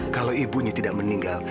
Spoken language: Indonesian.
kalau ibunya tidak meninggal